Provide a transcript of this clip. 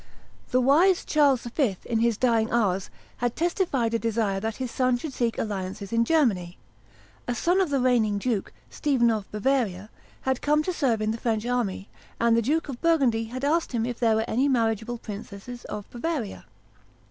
The wise Charles V., in his dying hours, had testified a desire that his son should seek alliances in Germany. A son of the reigning duke, Stephen of Bavaria, had come to serve in the French army, and the Duke of Burgundy had asked him if there were any marriageable princess of Bavaria.